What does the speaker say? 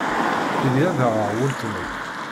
Tili ad aɣeɣ weltma-k.